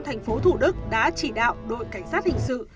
thành phố thủ đức đã chỉ đạo đội cảnh sát hình sự